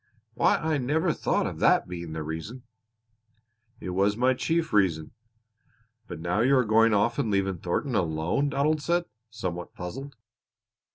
"Why, I never thought of that being the reason!" "It was my chief reason." "But now you are going off and leaving Thornton alone," Donald said, somewhat puzzled.